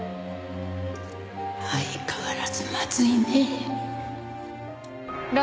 相変わらずまずいねえ。